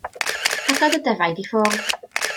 Rhedodd y defaid i ffwrdd.